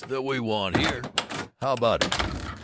that we want here. How about it?